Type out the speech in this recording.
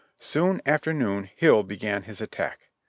Soon after noon Hill began his attack.